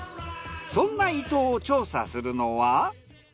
そんな伊東を調査するのは。